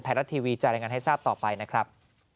ไทยรัฐทีวีจะรายงานให้ทราบต่อไปนะครับ